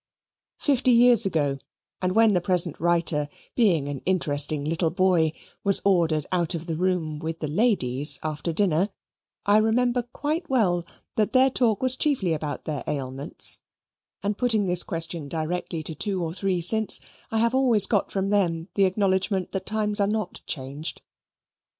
Fifty years ago, and when the present writer, being an interesting little boy, was ordered out of the room with the ladies after dinner, I remember quite well that their talk was chiefly about their ailments; and putting this question directly to two or three since, I have always got from them the acknowledgement that times are not changed.